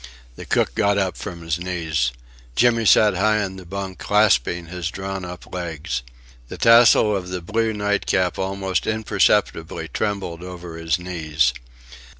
The cook got up from his knees. Jimmy sat high in the bunk, clasping his drawn up legs. The tassel of the blue night cap almost imperceptibly trembled over his knees.